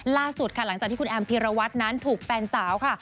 ล่าสุดค่ะหลังจากที่คุณแอมพีรวัตรนั้นถูกแฟนสาวค่ะ